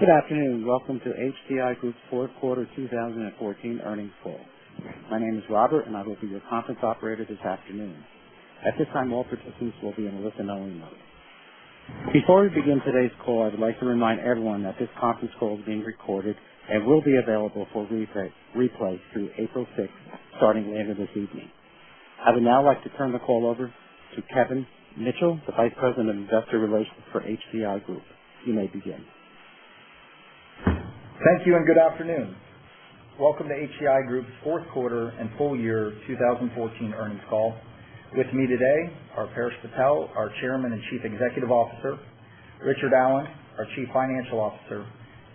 Good afternoon. Welcome to HCI Group's fourth quarter 2014 earnings call. My name is Robert, and I will be your conference operator this afternoon. At this time, all participants will be in a listen-only mode. Before we begin today's call, I'd like to remind everyone that this conference call is being recorded and will be available for replay through April sixth, starting later this evening. I would now like to turn the call over to Kevin Mitchell, the Vice President of Investor Relations for HCI Group. You may begin. Thank you. Good afternoon. Welcome to HCI Group's fourth quarter and full year 2014 earnings call. With me today are Paresh Patel, our Chairman and Chief Executive Officer, Richard Allen, our Chief Financial Officer,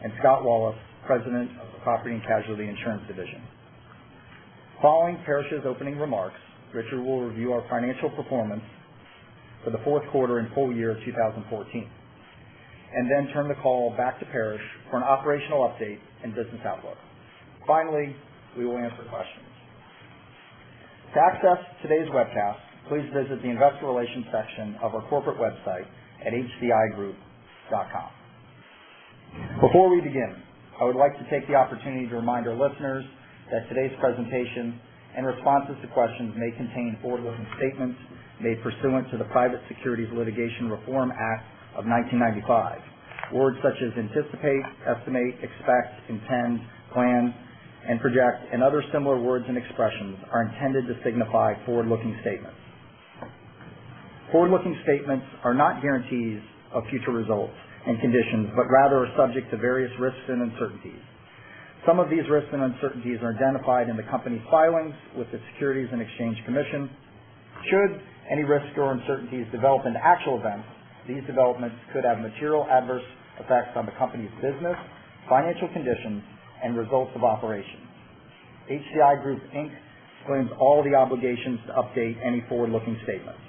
and Scott Wallace, President of the Property and Casualty Insurance division. Following Paresh's opening remarks, Richard will review our financial performance for the fourth quarter and full year of 2014, then turn the call back to Paresh for an operational update and business outlook. Finally, we will answer questions. To access today's webcast, please visit the investor relations section of our corporate website at hcigroup.com. Before we begin, I would like to take the opportunity to remind our listeners that today's presentation and responses to questions may contain forward-looking statements made pursuant to the Private Securities Litigation Reform Act of 1995. Words such as anticipate, estimate, expect, intend, plan, and project, and other similar words and expressions are intended to signify forward-looking statements. Forward-looking statements are not guarantees of future results and conditions, rather are subject to various risks and uncertainties. Some of these risks and uncertainties are identified in the company's filings with the Securities and Exchange Commission. Should any risks or uncertainties develop into actual events, these developments could have material adverse effects on the company's business, financial conditions, and results of operations. HCI Group Inc. disclaims all the obligations to update any forward-looking statements.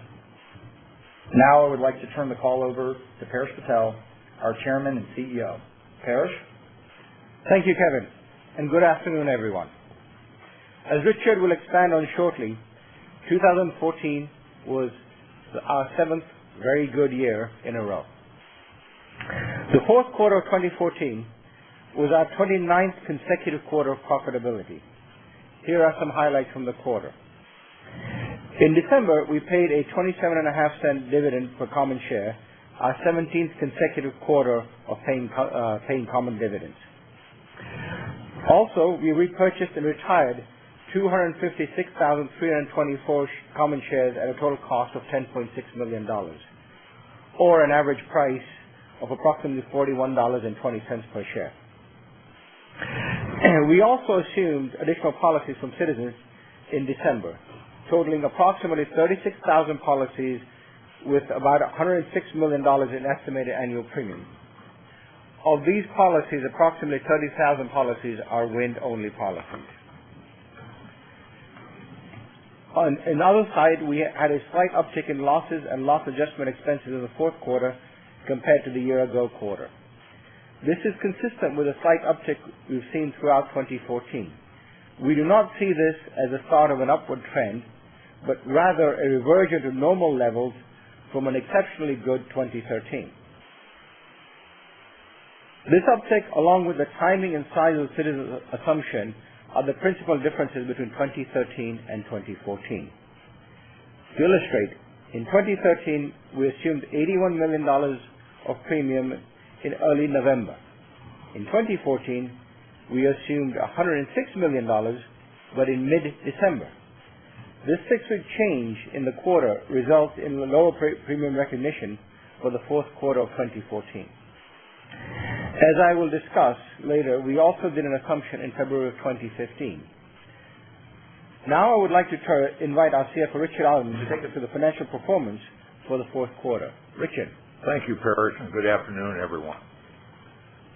I would like to turn the call over to Paresh Patel, our Chairman and CEO. Paresh. Thank you, Kevin. Good afternoon, everyone. As Richard will expand on shortly, 2014 was our seventh very good year in a row. The fourth quarter of 2014 was our 29th consecutive quarter of profitability. Here are some highlights from the quarter. In December, we paid a $0.275 dividend per common share, our 17th consecutive quarter of paying common dividends. We repurchased and retired 256,324 common shares at a total cost of $10.6 million, or an average price of approximately $41.20 per share. We also assumed additional policies from Citizens in December, totaling approximately 36,000 policies with about $106 million in estimated annual premium. Of these policies, approximately 30,000 policies are wind-only policies. On another side, we had a slight uptick in losses and loss adjustment expenses in the fourth quarter compared to the year-ago quarter. This is consistent with a slight uptick we've seen throughout 2014. We do not see this as a start of an upward trend, but rather a reversion to normal levels from an exceptionally good 2013. This uptick, along with the timing and size of Citizens assumption, are the principal differences between 2013 and 2014. To illustrate, in 2013, we assumed $81 million of premium in early November. In 2014, we assumed $106 million, but in mid-December. This fixed change in the quarter results in lower pre-premium recognition for the fourth quarter of 2014. As I will discuss later, we also did an assumption in February of 2015. I would like to invite our CFO, Richard Allen, to take us through the financial performance for the fourth quarter. Richard. Thank you, Paresh, good afternoon, everyone.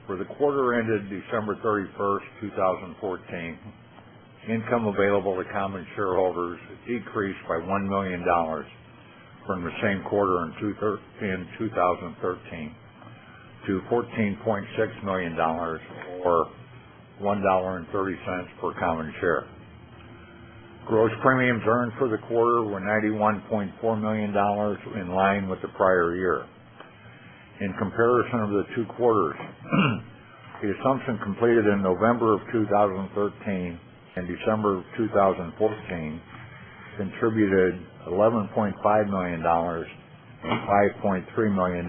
For the quarter ended December thirty-first, 2014, income available to common shareholders decreased by $1 million from the same quarter in 2013 to $14.6 million or $1.30 per common share. Gross premiums earned for the quarter were $91.4 million in line with the prior year. In comparison of the two quarters, the assumption completed in November of 2013 and December of 2014 contributed $11.5 million and $5.3 million,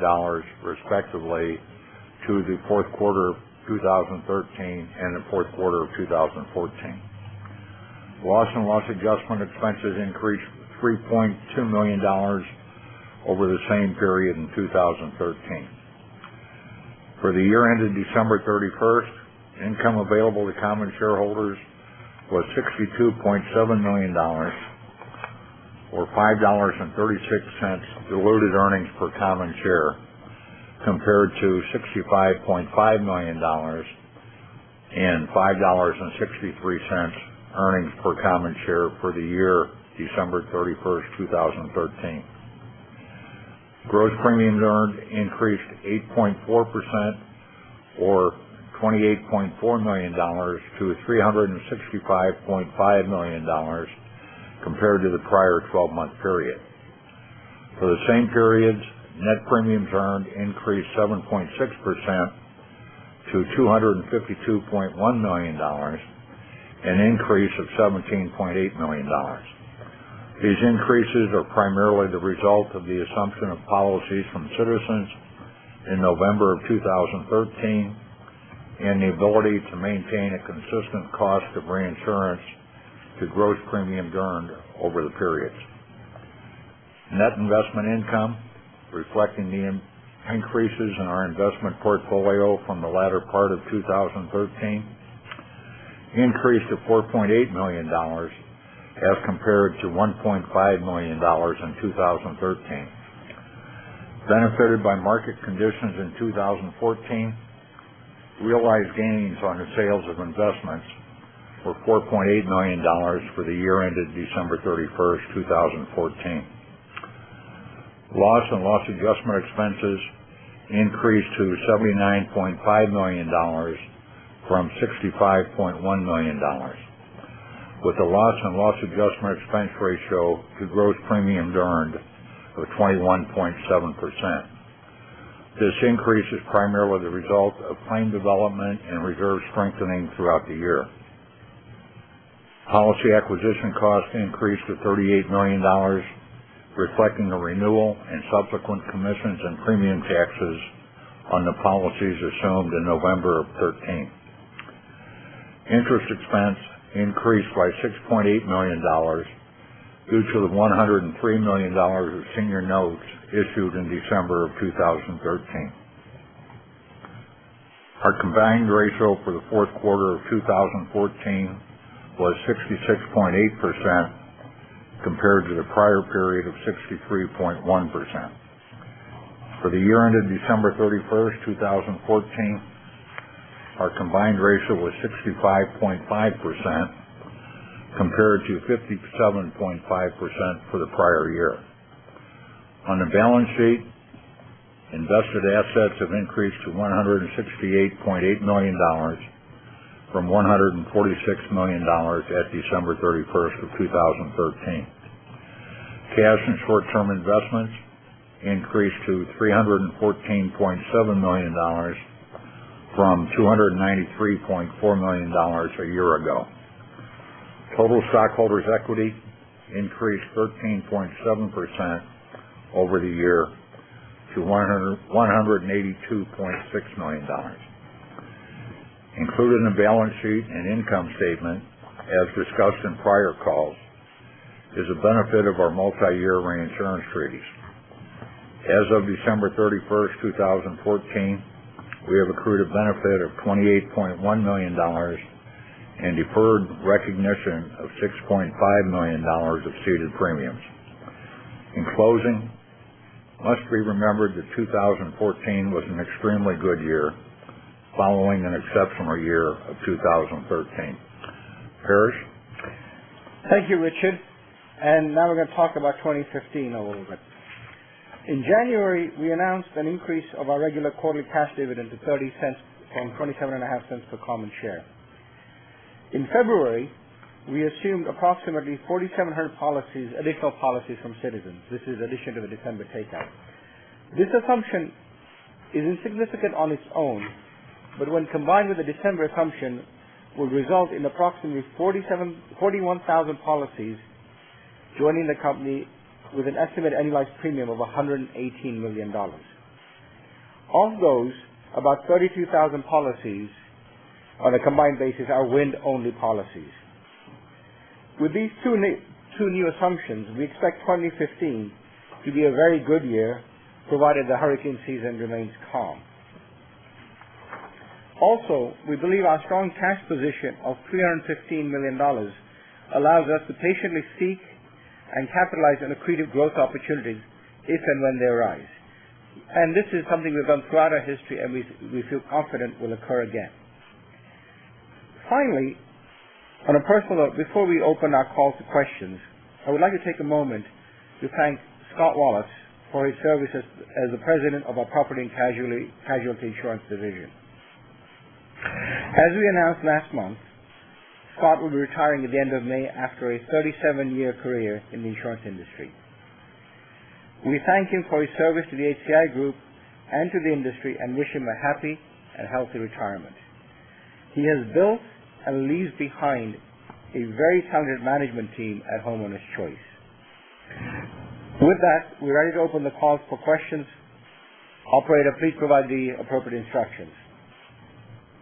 respectively, to the fourth quarter of 2013 and the fourth quarter of 2014. Loss and loss adjustment expenses increased $3.2 million over the same period in 2013. For the year ended December thirty-first, income available to common shareholders was $62.7 million or $5.36 diluted earnings per common share, compared to $65.5 million and $5.63 earnings per common share for the year December thirty-first, 2013. Gross premiums earned increased 8.4% or $28.4 million to $365.5 million compared to the prior twelve-month period. For the same periods, net premiums earned increased 7.6% to $252.1 million, an increase of $17.8 million. These increases are primarily the result of the assumption of policies from Citizens in November of 2013 and the ability to maintain a consistent cost of reinsurance to gross premium earned over the periods. Net investment income, reflecting the increases in our investment portfolio from the latter part of 2013, increased to $4.8 million as compared to $1.5 million in 2013. Benefited by market conditions in 2014, realized gains on the sales of investments were $4.8 million for the year ended December 31st, 2014. Loss and loss adjustment expenses increased to $79.5 million from $65.1 million, with a loss and loss adjustment expense ratio to gross premiums earned of 21.7%. This increase is primarily the result of claim development and reserve strengthening throughout the year. Policy acquisition costs increased to $38 million, reflecting the renewal and subsequent commissions in premium taxes on the policies assumed in November of 2013. Interest expense increased by $6.8 million due to the $103 million of senior notes issued in December of 2013. Our combined ratio for the fourth quarter of 2014 was 66.8%, compared to the prior period of 63.1%. For the year ended December 31st, 2014, our combined ratio was 65.5%, compared to 57.5% for the prior year. On the balance sheet, invested assets have increased to $168.8 million from $146 million at December 31st of 2013. Cash and short-term investments increased to $314.7 million from $293.4 million a year ago. Total stockholders' equity increased 13.7% over the year to $182.6 million. Included in the balance sheet and income statement, as discussed in prior calls, is a benefit of our multi-year reinsurance treaties. As of December 31st, 2014, we have accrued a benefit of $28.1 million and deferred recognition of $6.5 million of ceded premiums. In closing, must we remember that 2014 was an extremely good year following an exceptional year of 2013. Paresh. Thank you, Richard. Now we're going to talk about 2015 a little bit. In January, we announced an increase of our regular quarterly cash dividend to $0.30 from $0.275 per common share. In February, we assumed approximately 4,700 additional policies from Citizens. This is additional to the December takeout. This assumption is insignificant on its own, but when combined with the December assumption, will result in approximately 41,000 policies joining the company with an estimated annualized premium of $118 million. Of those, about 32,000 policies on a combined basis are wind-only policies. With these two new assumptions, we expect 2015 to be a very good year, provided the hurricane season remains calm. Also, we believe our strong cash position of $315 million allows us to patiently seek and capitalize on accretive growth opportunities if and when they arise. This is something we've done throughout our history, and we feel confident will occur again. Finally, on a personal note, before we open our call to questions, I would like to take a moment to thank Scott Wallace for his service as the President of our property and casualty insurance division. As we announced last month, Scott will be retiring at the end of May after a 37-year career in the insurance industry. We thank him for his service to the HCI Group and to the industry and wish him a happy and healthy retirement. He has built and leaves behind a very talented management team at Homeowners Choice. With that, we're ready to open the call for questions. Operator, please provide the appropriate instructions.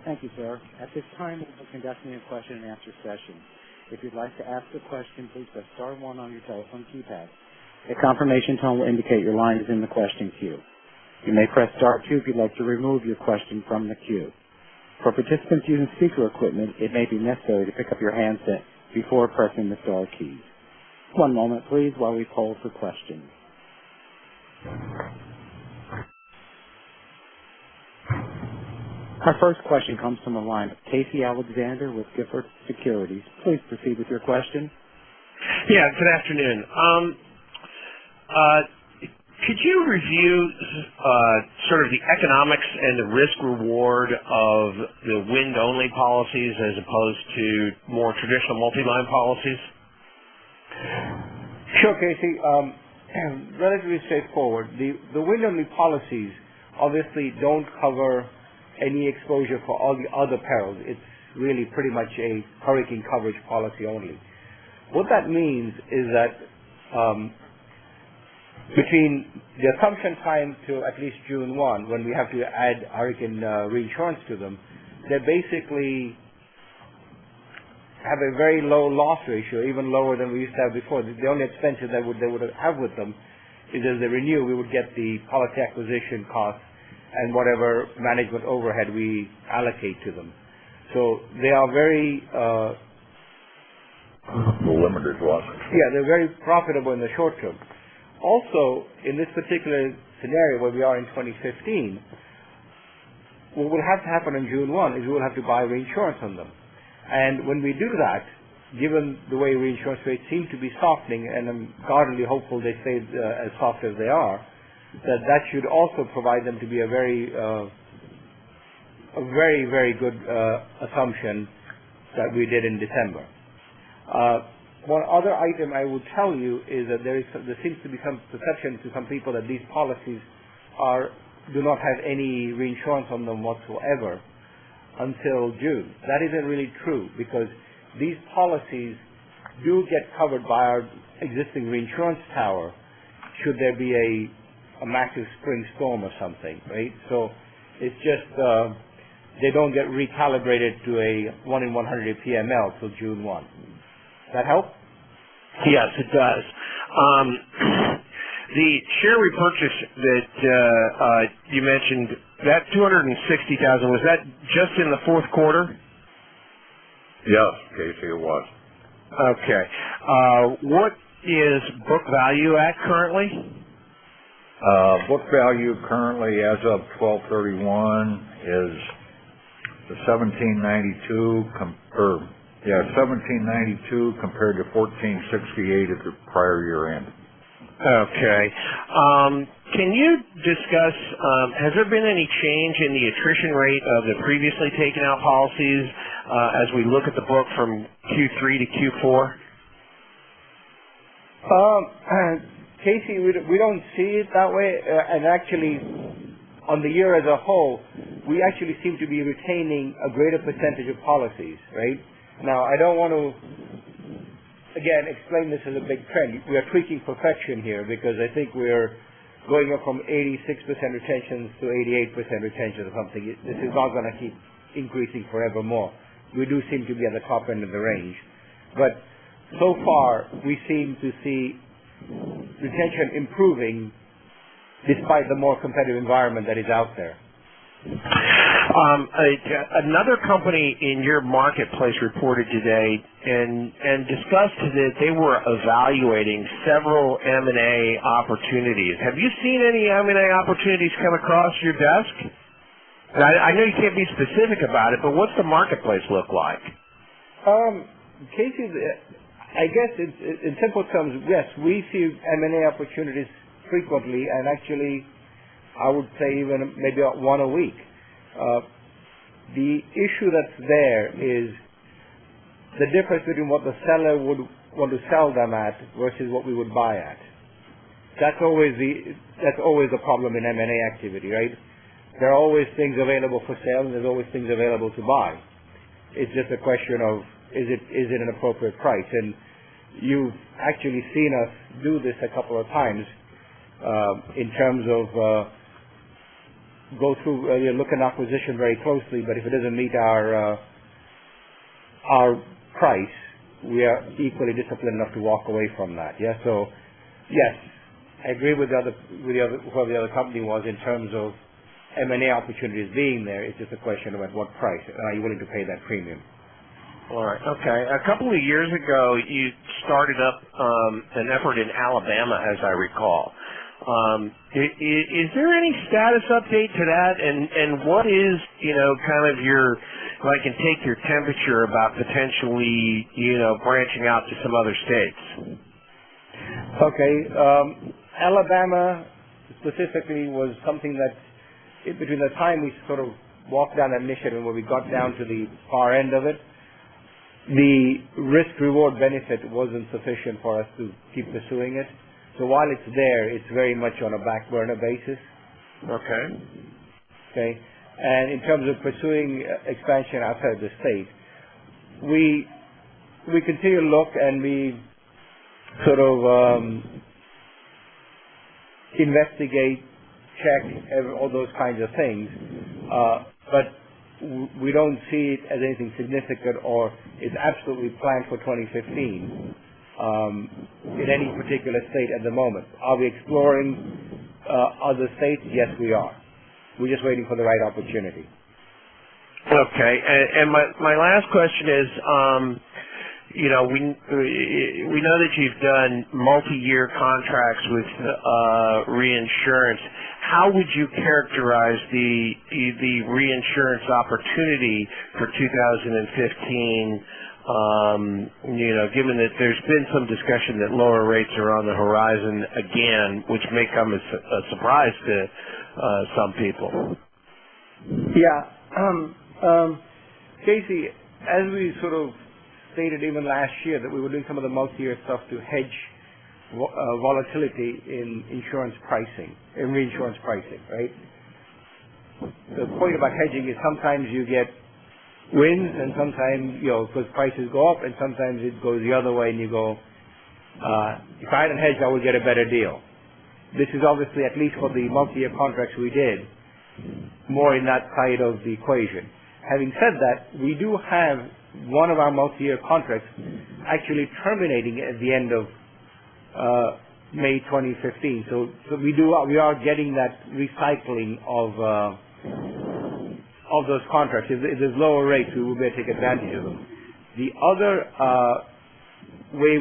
Thank you, sir. At this time, we will conduct a question and answer session. If you'd like to ask a question, please press star one on your telephone keypad. A confirmation tone will indicate your line is in the question queue. You may press star two if you'd like to remove your question from the queue. For participants using speaker equipment, it may be necessary to pick up your handset before pressing the star key. One moment, please, while we poll for questions. Our first question comes from the line of Casey Alexander with Gilford Securities. Please proceed with your question. Yeah, good afternoon. Could you review sort of the economics and the risk-reward of the wind-only policies as opposed to more traditional multi-line policies? Sure, Casey. Relatively straightforward. The wind-only policies obviously don't cover any exposure for other perils. It's really pretty much a hurricane coverage policy only. What that means is that between the assumption time till at least June 1, when we have to add hurricane reinsurance to them, they basically have a very low loss ratio, even lower than we used to have before. The only expenses they would have with them is as they renew, we would get the policy acquisition cost and whatever management overhead we allocate to them. So they are very. Limited loss. Yeah, they're very profitable in the short term. In this particular scenario where we are in 2015, what would have to happen on June 1 is we would have to buy reinsurance on them. When we do that, given the way reinsurance rates seem to be softening, and I'm greatly hopeful they stay as soft as they are, that that should also provide them to be a very good assumption that we did in December. One other item I would tell you is that there seems to be some perception to some people that these policies do not have any reinsurance on them whatsoever until June. That isn't really true because these policies do get covered by our existing reinsurance tower should there be a massive spring storm or something. It's just they don't get recalibrated to a 1 in 100 year PML till June 1. Does that help? Yes, it does. The share repurchase that you mentioned, that $260,000, was that just in the fourth quarter? Yes, Casey, it was. Okay. What is book value at currently? Book value currently as of 12/31 is $1,792 compared to $1,468 at the prior year end. Okay. Can you discuss, has there been any change in the attrition rate of the previously taken out policies as we look at the book from Q3 to Q4? Casey, we don't see it that way. Actually, on the year as a whole, we actually seem to be retaining a greater percentage of policies. I don't want to, again, explain this as a big trend. We are tweaking perfection here because I think we're going up from 86% retention to 88% retention or something. This is not going to keep increasing forevermore. We do seem to be at the top end of the range. So far, we seem to see retention improving despite the more competitive environment that is out there. Another company in your marketplace reported today and discussed that they were evaluating several M&A opportunities. Have you seen any M&A opportunities come across your desk? I know you can't be specific about it, but what's the marketplace look like? Casey, I guess in simple terms, yes. We see M&A opportunities frequently, and actually, I would say even maybe one a week. The issue that's there is the difference between what the seller would want to sell them at versus what we would buy at. That's always a problem in M&A activity, right? There are always things available for sale, and there's always things available to buy. It's just a question of, is it an appropriate price? You've actually seen us do this a couple of times in terms of go through. We look at acquisition very closely, but if it doesn't meet our price, we are equally disciplined enough to walk away from that. Yes, I agree with whoever the other company was in terms of M&A opportunities being there. It's just a question of at what price. Are you willing to pay that premium? All right. Okay. A couple of years ago, you started up an effort in Alabama, as I recall. Is there any status update to that? What is your, if I can take your temperature about potentially branching out to some other states? Okay. Alabama specifically was something that between the time we sort of walked down that mission and when we got down to the far end of it, the risk-reward benefit wasn't sufficient for us to keep pursuing it. While it's there, it's very much on a back burner basis. Okay. Okay. In terms of pursuing expansion outside the state, we continue to look and we sort of investigate, check, all those kinds of things. We don't see it as anything significant or it's absolutely planned for 2015 in any particular state at the moment. Are we exploring other states? Yes, we are. We're just waiting for the right opportunity. Okay. My last question is, we know that you've done multi-year contracts with reinsurance. How would you characterize the reinsurance opportunity for 2015, given that there's been some discussion that lower rates are on the horizon again, which may come as a surprise to some people? Yeah. Casey, as we sort of stated even last year that we were doing some of the multi-year stuff to hedge volatility in insurance pricing, in reinsurance pricing, right? The point about hedging is sometimes you get wins because prices go up, and sometimes it goes the other way, and you go, "If I had hedged, I would get a better deal." This is obviously, at least for the multi-year contracts we did, more in that side of the equation. Having said that, we do have one of our multi-year contracts actually terminating at the end of May 2015. We are getting that recycling of those contracts. If there's lower rates, we will take advantage of them. The other way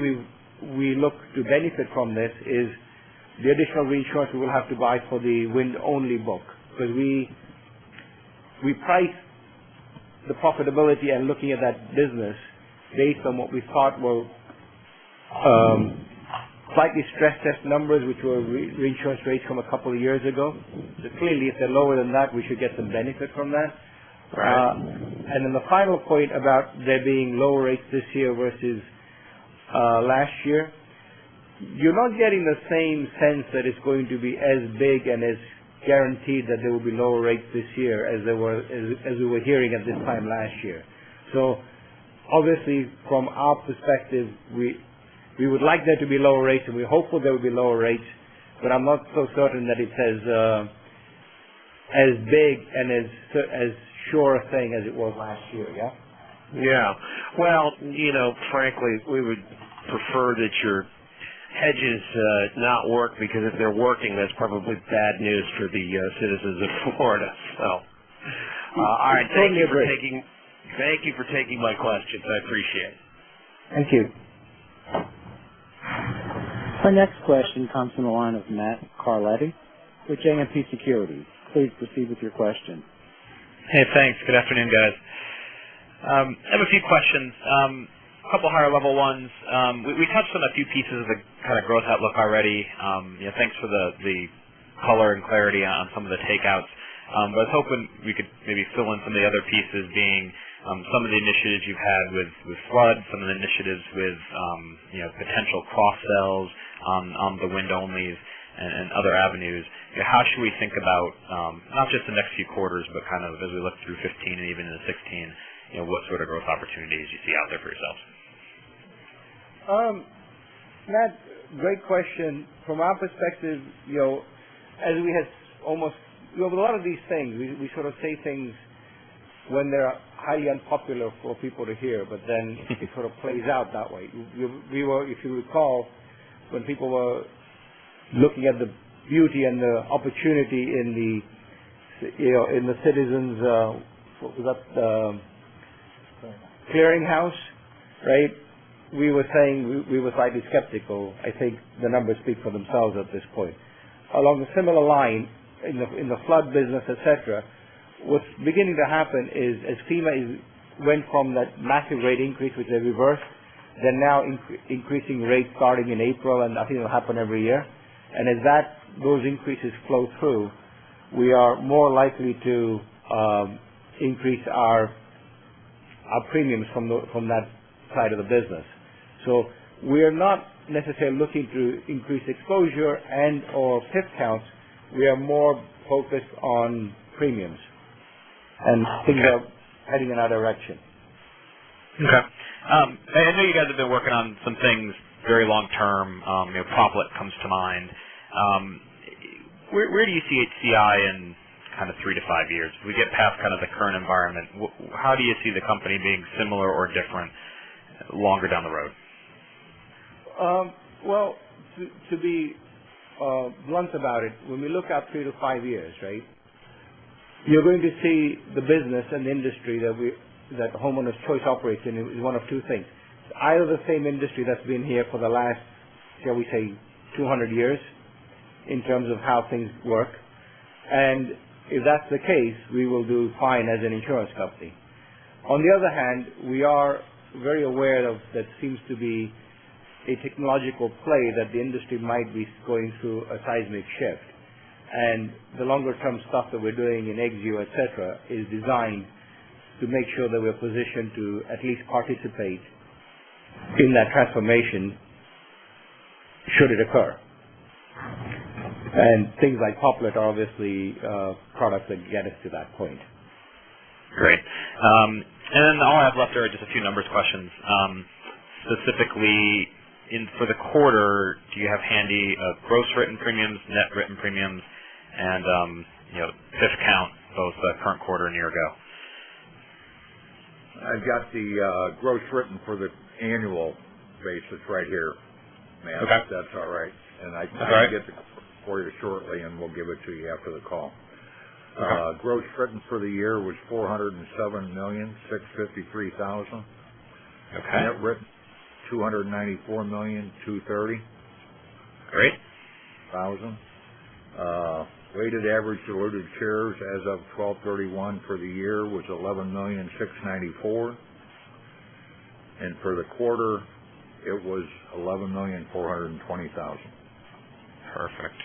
we look to benefit from this is the additional reinsurance we will have to buy for the wind-only book because we price the profitability and looking at that business based on what we thought were slightly stress test numbers, which were reinsurance rates from a couple of years ago. Clearly, if they're lower than that, we should get some benefit from that. Right. The final point about there being lower rates this year versus last year. You're not getting the same sense that it's going to be as big and as guaranteed that there will be lower rates this year as we were hearing at this time last year. Obviously, from our perspective, we would like there to be lower rates, and we hope there will be lower rates, but I'm not so certain that it's as big and as sure a thing as it was last year. Yeah? Yeah. Frankly, we would prefer that your hedges not work because if they're working, that's probably bad news for the citizens of Florida. All right. Totally agree. Thank you for taking my questions. I appreciate it. Thank you. Our next question comes from the line of Matt Carletti with JMP Securities. Please proceed with your question. Hey, thanks. Good afternoon, guys. I have a few questions. A couple higher level ones. We touched on a few pieces of kind of growth outlook already. Thanks for the color and clarity on some of the takeouts. I was hoping we could maybe fill in some of the other pieces, being some of the initiatives you've had with flood, some of the initiatives with potential cross-sells on the wind-only and other avenues. How should we think about not just the next few quarters but kind of as we look through 2015 and even into 2016, what sort of growth opportunities you see out there for yourselves? Matt, great question. From our perspective, with a lot of these things, we sort of say things when they're highly unpopular for people to hear, it sort of plays out that way. If you recall, when people were looking at the beauty and the opportunity in the Citizens, what was that? Clearinghouse. Clearinghouse. We were slightly skeptical. I think the numbers speak for themselves at this point. Along a similar line, in the flood business, et cetera, what's beginning to happen is as FEMA went from that massive rate increase, which they reversed, they're now increasing rates starting in April, and I think it'll happen every year. As those increases flow through, we are more likely to increase our premiums from that side of the business. We are not necessarily looking to increase exposure and/or policy counts. We are more focused on premiums and things are heading in that direction. Okay. I know you guys have been working on some things very long-term. Proplete comes to mind. Where do you see HCI in kind of 3-5 years? We get past kind of the current environment. How do you see the company being similar or different longer down the road? Well, to be blunt about it, when we look out 3-5 years, you're going to see the business and the industry that Homeowners Choice operates in in one of two things. It's either the same industry that's been here for the last, shall we say, 200 years in terms of how things work. If that's the case, we will do fine as an insurance company. On the other hand, we are very aware of that seems to be a technological play that the industry might be going through a seismic shift. The longer-term stuff that we're doing in Exzeo, et cetera, is designed to make sure that we're positioned to at least participate in that transformation should it occur. Things like Proplete are obviously products that get us to that point. Great. All I have left are just a few numbers questions. Specifically, for the quarter, do you have handy gross written premiums, net written premiums, and policy count, both the current quarter and year ago? I've got the gross written for the annual basis right here, Matt. Okay. If that's all right. Okay. I can get the for you shortly, and we'll give it to you after the call. Gross written for the year was $407,653,000. Okay. Net written, $294,230,000. Great. Weighted average to ordered shares as of 12/31 for the year was $11,694,000. For the quarter, it was $11,420,000. Perfect.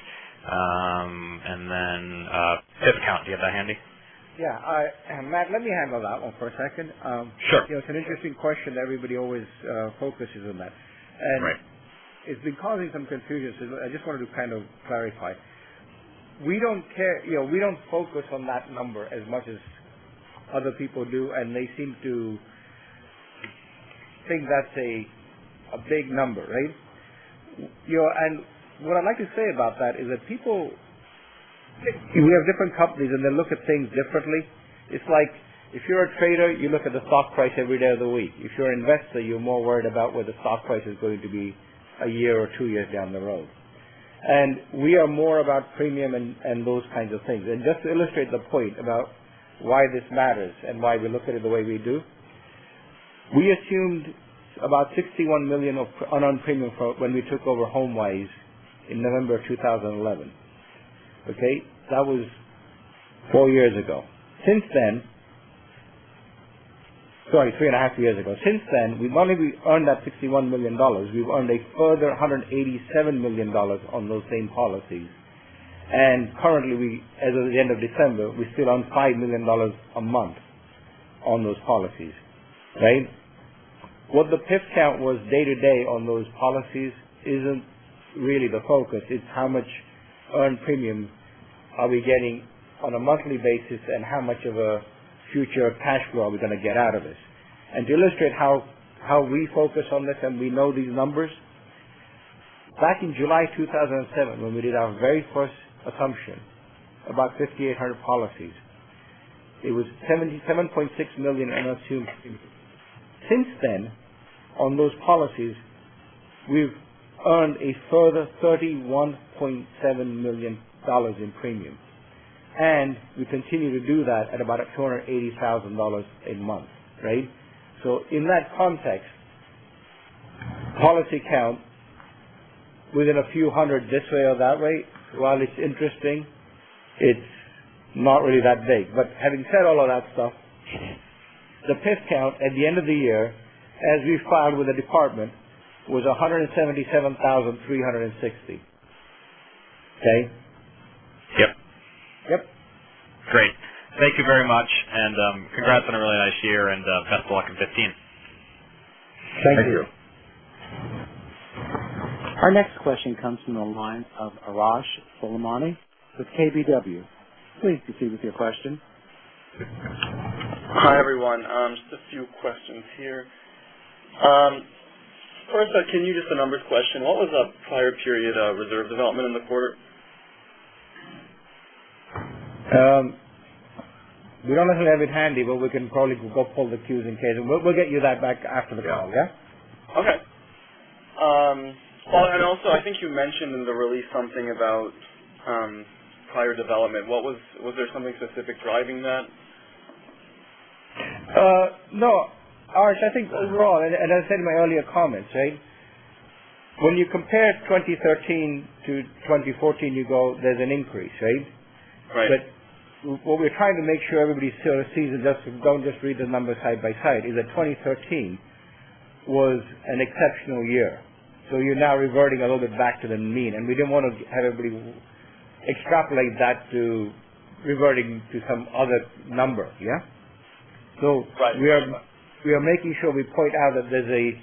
Then PIF count, do you have that handy? Yeah. Matt, let me handle that one for a second. Sure. It's an interesting question everybody always focuses on that. Right. It's been causing some confusion. I just wanted to clarify. We don't focus on that number as much as other people do. They seem to think that's a big number, right? What I'd like to say about that is that people, we are different companies. They look at things differently. It's like if you're a trader, you look at the stock price every day of the week. If you're an investor, you're more worried about where the stock price is going to be a year or two years down the road. We are more about premium and those kinds of things. Just to illustrate the point about why this matters and why we look at it the way we do, we assumed about $61 million of unearned premium when we took over HomeWise in November of 2011. Okay? That was four years ago. Sorry, three and a half years ago. Since then, we've not only earned that $61 million, we've earned a further $187 million on those same policies. Currently, as of the end of December, we still earn $5 million a month on those policies. Right? What the PIF count was day to day on those policies isn't really the focus. It's how much earned premium are we getting on a monthly basis, how much of a future cash flow are we going to get out of this? To illustrate how we focus on this and we know these numbers, back in July 2007, when we did our very first assumption, about 5,800 policies, it was $7.6 million in unearned premium. Since then, on those policies, we've earned a further $31.7 million in premiums. We continue to do that at about $480,000 a month. Right? In that context, policy count within a few hundred this way or that way, while it's interesting, it's not really that big. Having said all of that stuff, the PIF count at the end of the year, as we filed with the department, was 177,360. Okay? Yep. Yep. Great. Thank you very much, and congrats on a really nice year and best of luck in 2015. Thank you. Thank you. Our next question comes from the line of Arash Soleimani with KBW. Please proceed with your question. Hi, everyone. Just a few questions here. First, can you give us a numbers question? What was the prior period reserve development in the quarter? We don't actually have it handy, but we can probably go pull the Qs and Ks. We'll get you that back after the call, yeah? Okay. Also, I think you mentioned in the release something about prior development. Was there something specific driving that? No. Arash, I think overall, and as I said in my earlier comments, right, when you compare 2013 to 2014, there's an increase, right? Right. What we're trying to make sure everybody sort of sees is don't just read the numbers side by side, is that 2013 was an exceptional year. You're now reverting a little bit back to the mean, and we didn't want to have everybody extrapolate that to reverting to some other number. Yeah? Right. We are making sure we point out that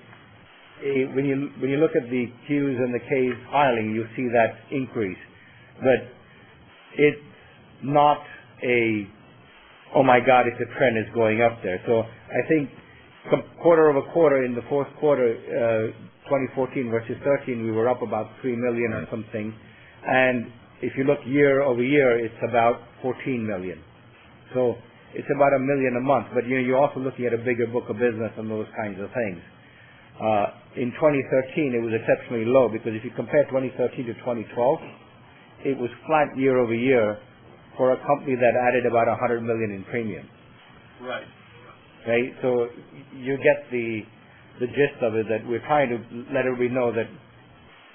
when you look at the Qs and Ks filing, you see that increase, but it's not a, "Oh my God, it's a trend. It's going up there." I think quarter-over-quarter in the fourth quarter 2014 versus 2013, we were up about $3 million or something, and if you look year-over-year, it's about $14 million. It's about $1 million a month. You're also looking at a bigger book of business and those kinds of things. In 2013, it was exceptionally low because if you compare 2013 to 2012, it was flat year-over-year for a company that added about $100 million in premium. Right. Right. You get the gist of it, that we're trying to let everybody know that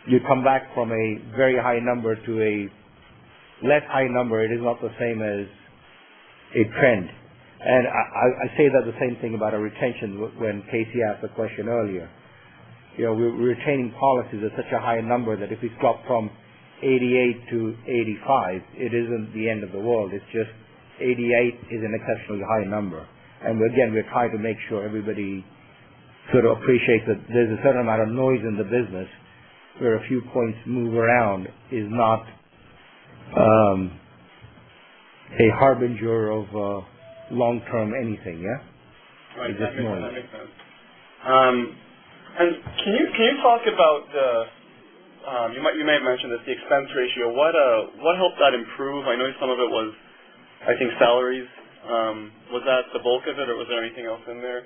you come back from a very high number to a less high number. It is not the same as a trend. I say that the same thing about our retention when Casey asked the question earlier. We're retaining policies at such a high number that if we drop from 88 to 85, it isn't the end of the world. It's just 88 is an exceptionally high number. Again, we're trying to make sure everybody sort of appreciates that there's a certain amount of noise in the business where a few points move around is not a harbinger of long-term anything, yeah? Right. That makes sense. Can you talk about the, you may have mentioned this, the expense ratio. What helped that improve? I know some of it was, I think, salaries. Was that the bulk of it or was there anything else in there?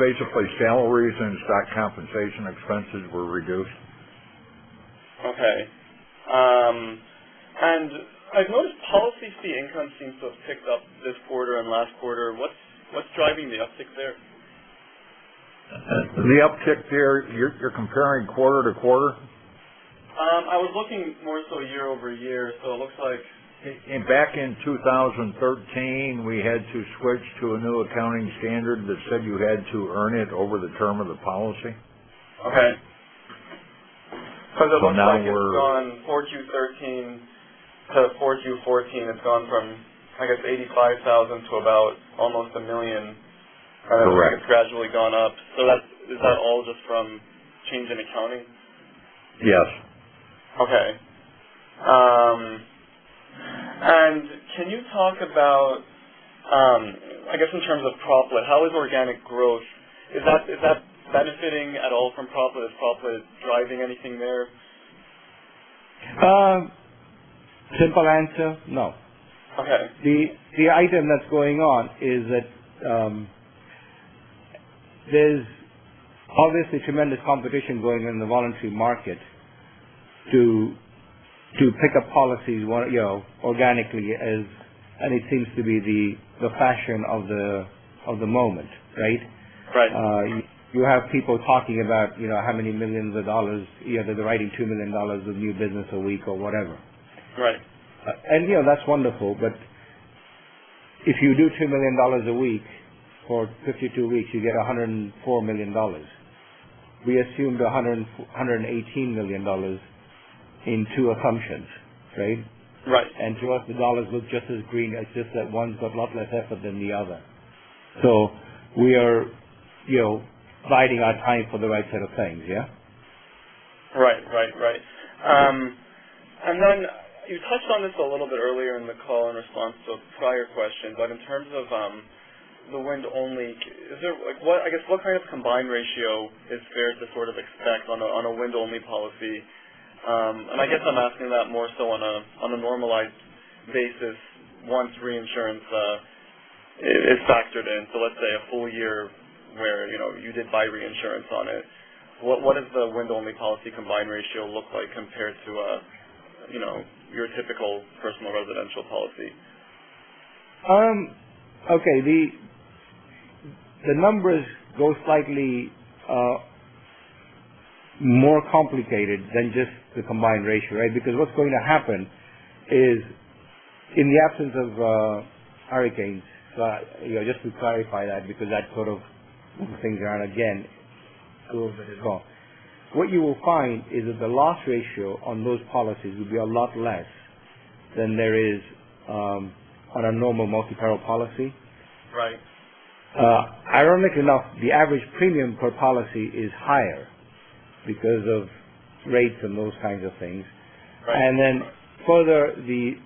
Basically, salaries and stock compensation expenses were reduced. Okay. I've noticed policy fee income seems to have picked up this quarter and last quarter. What's driving the uptick there? The uptick there, you're comparing quarter to quarter? I was looking more so year-over-year. Back in 2013, we had to switch to a new accounting standard that said you had to earn it over the term of the policy. Okay. It looks like. Now we're. It's gone from 4Q13 to 4Q14, it's gone from, I guess, 85,000 to about almost 1 million. Correct. It's gradually gone up. Is that all just from change in accounting? Yes. Okay. Can you talk about, I guess in terms of Proplete, how is organic growth? Is that benefiting at all from Proplete? Is Proplete driving anything there? Simple answer, no. Okay. The item that's going on is that there's obviously tremendous competition going on in the voluntary market to pick up policies organically as, and it seems to be the fashion of the moment, right? Right. You have people talking about how many millions of dollars, they're writing $2 million of new business a week or whatever. Right. That's wonderful, but if you do $2 million a week for 52 weeks, you get $104 million. We assumed $118 million in two assumptions. Right? Right. To us, the dollars look just as green. It's just that one's got a lot less effort than the other. We are biding our time for the right set of things, yeah? Right. You touched on this a little bit earlier in the call in response to a prior question, in terms of the wind-only, I guess what kind of combined ratio is fair to expect on a wind-only policy? I guess I'm asking that more so on a normalized basis once reinsurance is factored in. Let's say a full year where you did buy reinsurance on it. What does the wind-only policy combined ratio look like compared to your typical personal residential policy? Okay. What's going to happen is in the absence of hurricanes. Just to clarify that because that sort of things around again a little bit as well. What you will find is that the loss ratio on those policies will be a lot less than there is on a normal multi-peril policy. Right. Ironically enough, the average premium per policy is higher because of rates and those kinds of things. Right. Further the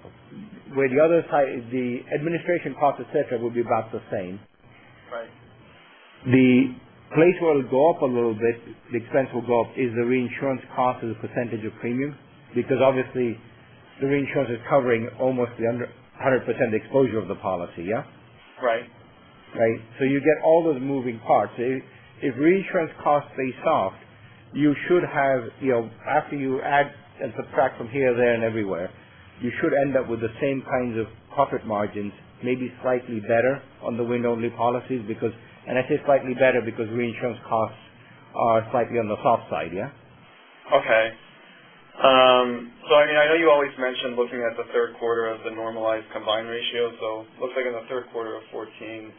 other side, the administration cost, et cetera, will be about the same. Right. The place where it'll go up a little bit, the expense will go up is the reinsurance cost as a percentage of premium. Obviously the reinsurance is covering almost the 100% exposure of the policy, yeah. Right. Right. You get all those moving parts. If reinsurance costs stay soft, after you add and subtract from here, there, and everywhere, you should end up with the same kinds of profit margins, maybe slightly better on the wind-only policies because. I say slightly better because reinsurance costs are slightly on the soft side, yeah? Okay. I know you always mention looking at the third quarter of the normalized combined ratio. Looks like in the third quarter of 2014,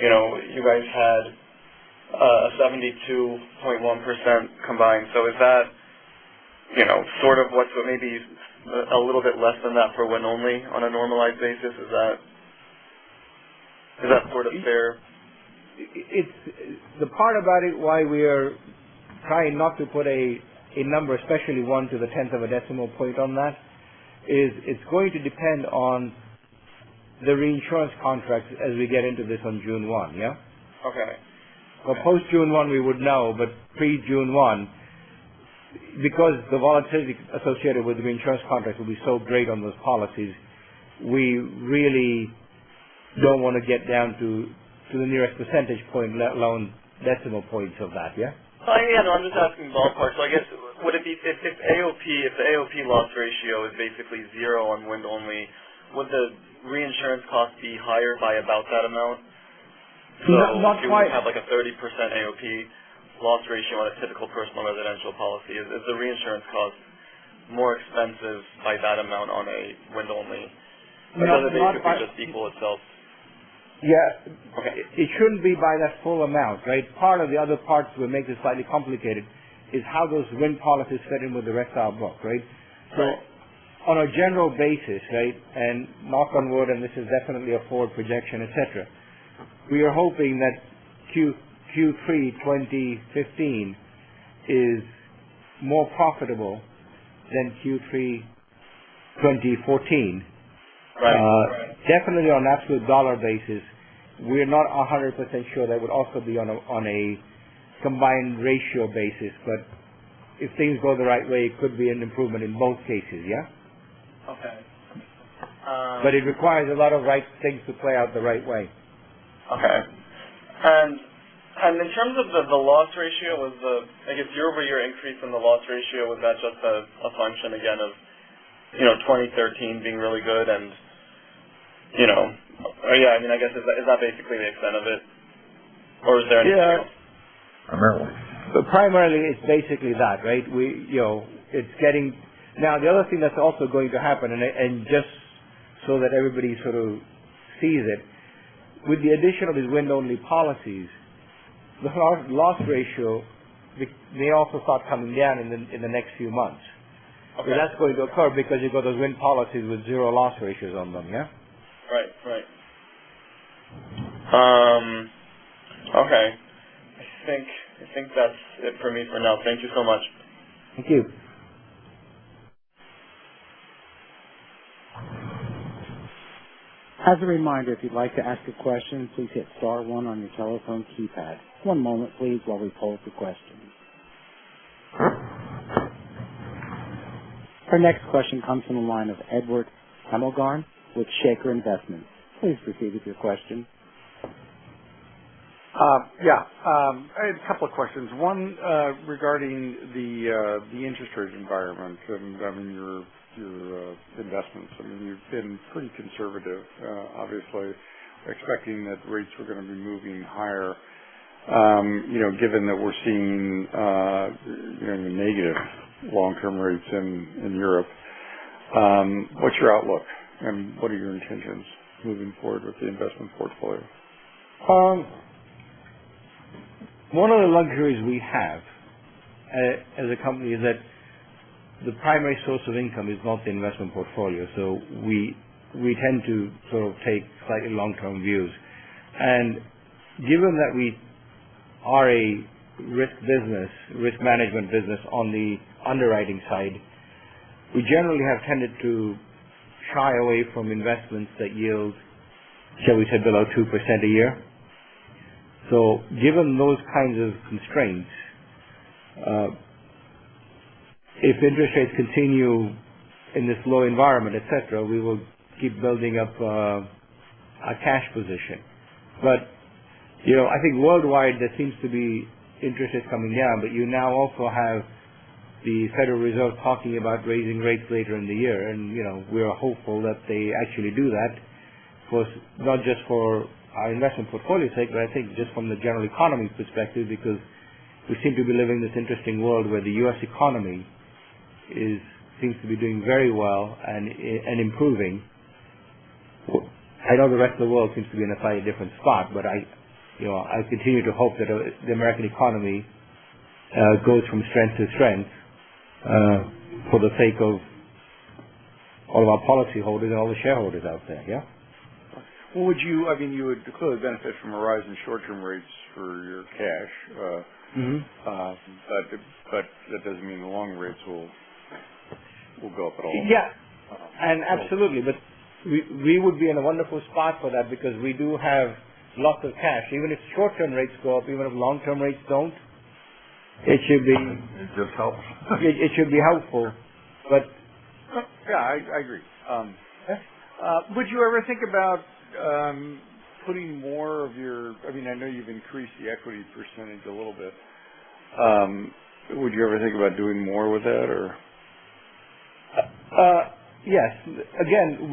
you guys had a 72.1% combined. Is that sort of what's maybe a little bit less than that for wind-only on a normalized basis? Is that sort of fair? The part about it why we are trying not to put a number, especially one to the tenth of a decimal point on that, is it's going to depend on the reinsurance contracts as we get into this on June 1, yeah? Okay. Post June 1, we would know. Pre-June 1, because the volatility associated with reinsurance contracts will be so great on those policies, we really don't want to get down to the nearest percentage point, let alone decimal points of that, yeah? I'm just asking ballpark. I guess if the AOP loss ratio is basically zero on wind only, would the reinsurance cost be higher by about that amount? No, not quite. If you would have a 30% AOP loss ratio on a typical personal residential policy, is the reinsurance cost more expensive by that amount on a wind only? No. Does it basically just equal itself? Yeah. Okay. It shouldn't be by that full amount. Part of the other parts that makes it slightly complicated is how those wind policies fit in with the rest of the book. Right? Right. On a general basis. Knock on wood, and this is definitely a forward projection, et cetera. We are hoping that Q3 2015 is more profitable than Q3 2014. Right. Definitely on an absolute dollar basis, we're not 100% sure that would also be on a combined ratio basis. If things go the right way, it could be an improvement in both cases, yeah? Okay. It requires a lot of right things to play out the right way. Okay. In terms of the loss ratio was the, I guess, year-over-year increase in the loss ratio, was that just a function again of 2013 being really good and I guess is that basically the extent of it? Is there anything else? Yeah. Primarily. Primarily, it's basically that, right? Now, the other thing that's also going to happen, and just so that everybody sort of sees it, with the addition of these wind-only policies, the loss ratio may also start coming down in the next few months. Okay. That's going to occur because you've got those wind policies with zero loss ratios on them, yeah. Right. Okay. I think that's it for me for now. Thank you so much. Thank you. As a reminder, if you'd like to ask a question, please hit star one on your telephone keypad. One moment, please, while we poll for questions. Our next question comes from the line of Edward Hemmelgarn with Shaker Investments. Please proceed with your question. Yeah. I had a couple of questions. One regarding the interest rates environment and your investments. You've been pretty conservative, obviously expecting that rates were going to be moving higher. Given that we're seeing negative long-term rates in Europe, what's your outlook, and what are your intentions moving forward with the investment portfolio? One of the luxuries we have as a company is that the primary source of income is not the investment portfolio. We tend to take slightly long-term views. Given that we are a risk management business on the underwriting side, we generally have tended to shy away from investments that yield, shall we say, below 2% a year. Given those kinds of constraints, if interest rates continue in this low environment, et cetera, we will keep building up our cash position. I think worldwide there seems to be interest rates coming down, but you now also have the Federal Reserve talking about raising rates later in the year. We are hopeful that they actually do that, not just for our investment portfolio sake, but I think just from the general economy perspective because we seem to be living in this interesting world where the U.S. economy seems to be doing very well and improving. I know the rest of the world seems to be in a slightly different spot, but I continue to hope that the American economy goes from strength to strength for the sake of all of our policyholders and all the shareholders out there, yeah. Well, you would clearly benefit from a rise in short-term rates for your cash. That doesn't mean the long rates will go up at all. Yeah. Absolutely. We would be in a wonderful spot for that because we do have lots of cash. Even if short-term rates go up, even if long-term rates don't, it should be. It just helps. It should be helpful. Yeah, I agree. Yeah. I know you've increased the equity percentage a little bit. Would you ever think about doing more with that? Yes. Again,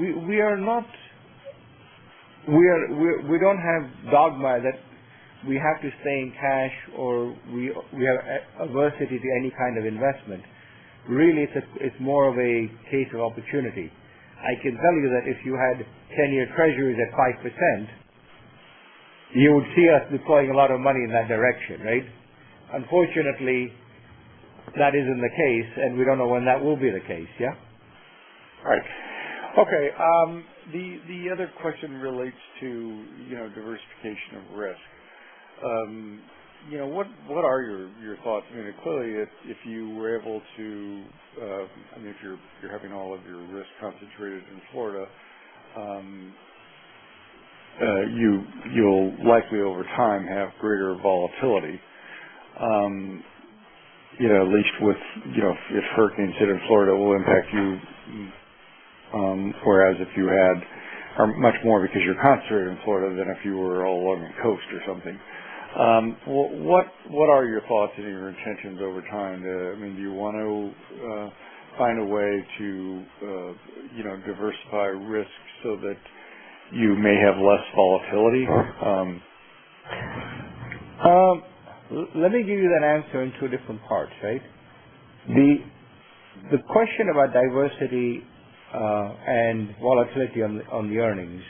we don't have dogma that we have to stay in cash, or we are aversion to any kind of investment. Really, it's more of a case of opportunity. I can tell you that if you had 10-year treasuries at 5%, you would see us deploying a lot of money in that direction, right? Unfortunately, that isn't the case, and we don't know when that will be the case. Right. Okay. The other question relates to diversification of risk. What are your thoughts? Clearly, if you're having all of your risk concentrated in Florida, you'll likely, over time, have greater volatility. At least if hurricanes hit in Florida, it will impact you much more because you're concentrated in Florida than if you were all along the coast or something. What are your thoughts and your intentions over time? Do you want to find a way to diversify risk so that you may have less volatility? Let me give you that answer in two different parts, right? The question about diversity and volatility on the earnings.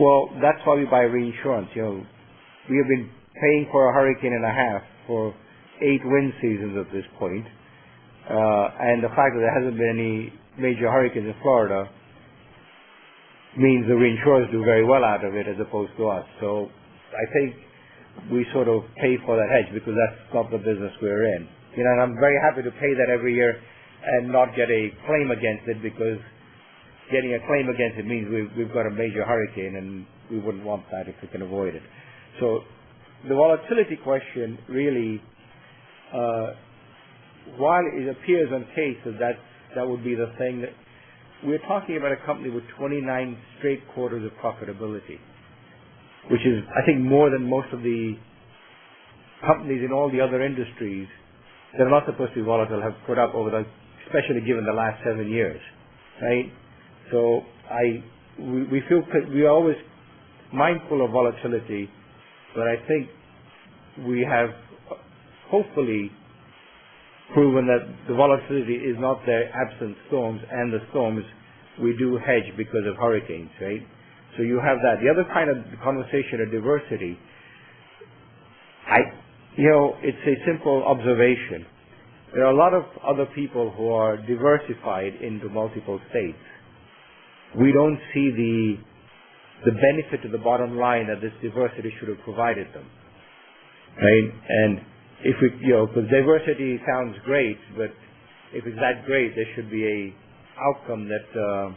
Well, that's why we buy reinsurance. We have been paying for a hurricane and a half for eight wind seasons at this point. The fact that there hasn't been any major hurricanes in Florida means the reinsurers do very well out of it as opposed to us. I think we sort of pay for that hedge because that's not the business we're in. I'm very happy to pay that every year and not get a claim against it because getting a claim against it means we've got a major hurricane, and we wouldn't want that if we can avoid it. The volatility question really, while it appears on face that would be the thing, we're talking about a company with 29 straight quarters of profitability, which is, I think, more than most of the companies in all the other industries that are not supposed to be volatile have put up over, especially given the last seven years. We are always mindful of volatility, but I think we have hopefully proven that the volatility is not there absent storms and the storms we do hedge because of hurricanes. You have that. The other kind of conversation of diversity. It's a simple observation. There are a lot of other people who are diversified into multiple states. We don't see the benefit to the bottom line that this diversity should have provided them. Diversity sounds great, if it's that great, there should be a outcome that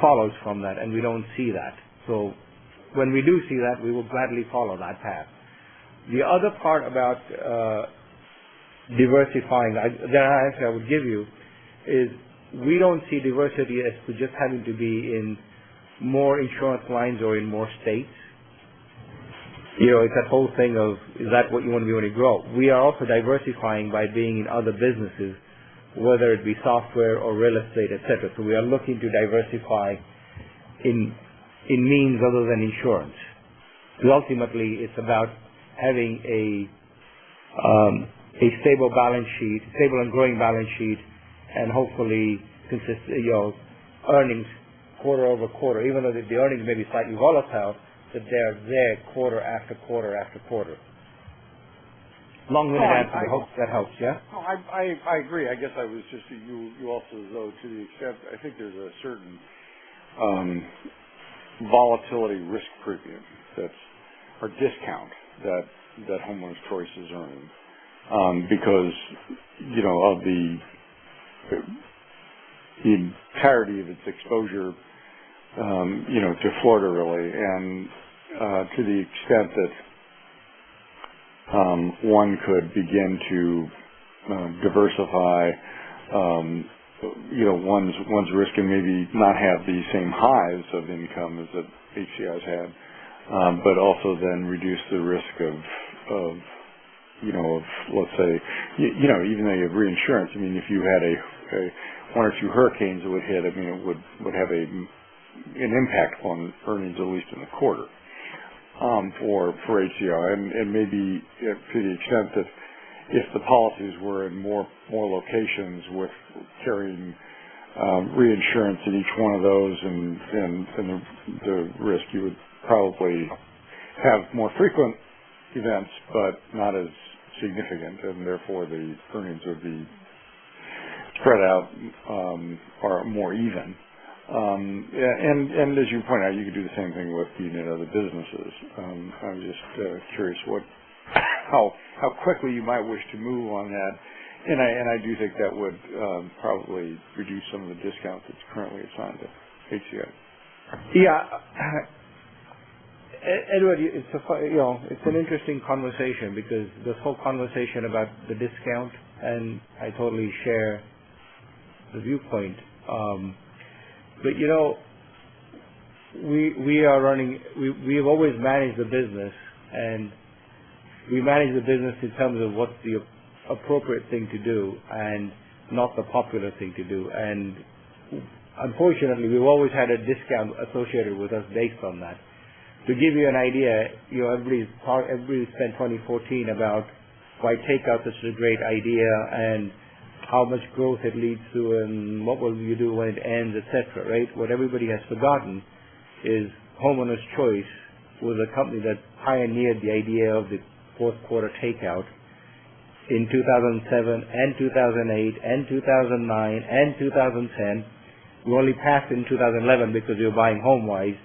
follows from that, we don't see that. When we do see that, we will gladly follow that path. The other part about diversifying that I would give you is we don't see diversity as to just having to be in more insurance lines or in more states. It's that whole thing of, is that what you want to be able to grow? We are also diversifying by being in other businesses, whether it be software or real estate, et cetera. We are looking to diversify in means other than insurance. Ultimately, it's about having a stable and growing balance sheet and hopefully consistent earnings quarter over quarter, even though the earnings may be slightly volatile, they're there quarter after quarter after quarter. Long-winded answer. I hope that helps. Yeah. No, I agree. I guess I was just, you also, though, to the extent, I think there's a certain volatility risk premium that's, or discount that Homeowners Choice is earning. Of the entirety of its exposure to Florida, really. To the extent that one could begin to diversify one's risk and maybe not have the same highs of income as the HCIs had. Also then reduce the risk of, let's say, even though you have reinsurance, if you had one or two hurricanes that would hit, it would have an impact on earnings at least in the quarter for HCI. Maybe to the extent that if the policies were in more locations with carrying reinsurance in each one of those, the risk, you would probably have more frequent events, but not as significant, therefore the earnings would be spread out or more even. As you point out, you could do the same thing with the other businesses. I'm just curious how quickly you might wish to move on that. I do think that would probably reduce some of the discount that's currently assigned to HCI. Yeah. Edward, it's an interesting conversation because this whole conversation about the discount, I totally share the viewpoint. We've always managed the business, we manage the business in terms of what's the appropriate thing to do and not the popular thing to do. Unfortunately, we've always had a discount associated with us based on that. To give you an idea, everybody spent 2014 about why takeout is such a great idea and how much growth it leads to and what will you do when it ends, et cetera. What everybody has forgotten is Homeowners Choice was a company that pioneered the idea of the fourth quarter takeout in 2007 and 2008 and 2009 and 2010. We only passed in 2011 because we were buying HomeWise,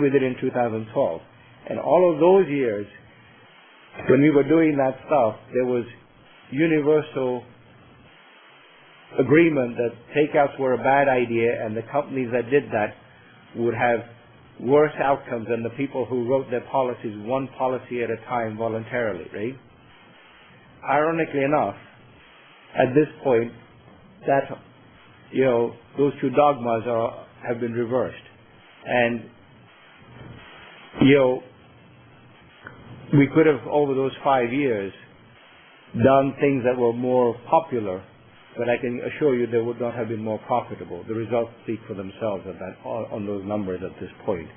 we did in 2012. All of those years when we were doing that stuff, there was universal agreement that takeouts were a bad idea, and the companies that did that would have worse outcomes than the people who wrote their policies one policy at a time voluntarily. Ironically enough, at this point, those two dogmas have been reversed. We could have, over those five years, done things that were more popular, but I can assure you they would not have been more profitable. The results speak for themselves on those numbers at this point.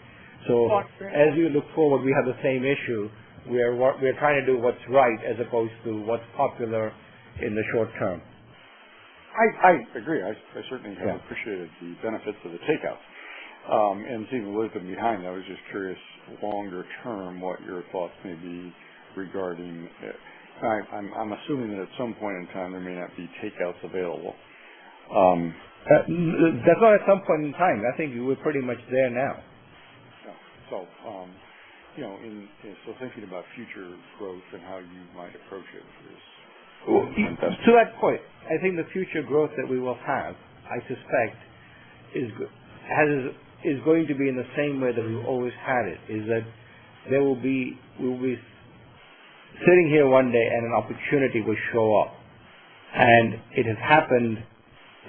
As we look forward, we have the same issue. We're trying to do what's right as opposed to what's popular in the short term. I agree. I certainly have appreciated the benefits of the takeout. Seeing the wisdom behind that, I was just curious longer term what your thoughts may be regarding it. I'm assuming that at some point in time, there may not be takeouts available. That's not at some point in time. I think we're pretty much there now. Yeah. Thinking about future growth and how you might approach it is. To that point, I think the future growth that we will have, I suspect, is going to be in the same way that we've always had it, is that we'll be sitting here one day and an opportunity will show up. It has happened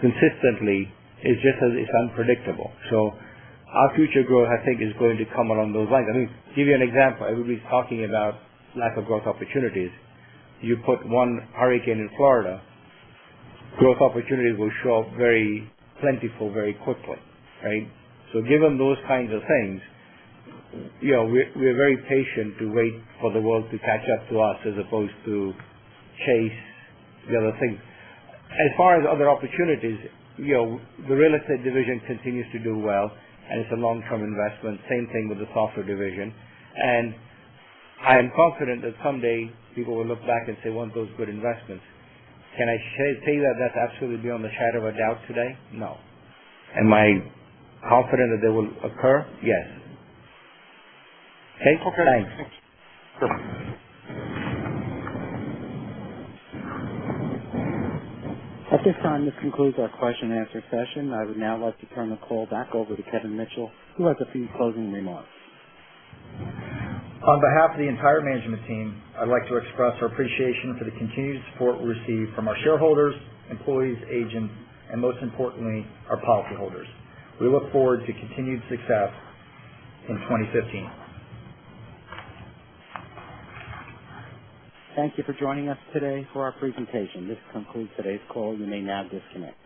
consistently. It's just that it's unpredictable. Our future growth, I think, is going to come along those lines. Let me give you an example. Everybody's talking about lack of growth opportunities. You put one hurricane in Florida, growth opportunities will show up very plentiful, very quickly. Given those kinds of things, we're very patient to wait for the world to catch up to us as opposed to chase the other thing. As far as other opportunities, the real estate division continues to do well, and it's a long-term investment. Same thing with the software division. I am confident that someday people will look back and say, "Weren't those good investments?" Can I say that that's absolutely beyond the shadow of a doubt today? No. Am I confident that they will occur? Yes. Okay. Thanks. Perfect. At this time, this concludes our question and answer session. I would now like to turn the call back over to Kevin Mitchell, who has a few closing remarks. On behalf of the entire management team, I'd like to express our appreciation for the continued support we receive from our shareholders, employees, agents, and most importantly, our policyholders. We look forward to continued success in 2015. Thank you for joining us today for our presentation. This concludes today's call. You may now disconnect.